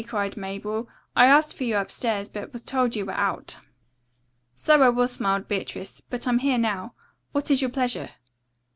cried Mabel. "I asked for you upstairs, but was told you were out." "So I was," smiled Beatrice, "but I'm here now. What is your pleasure?"